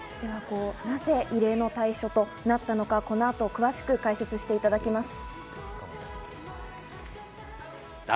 なぜ異例の退所となったのか、この後詳しく解説していただきます。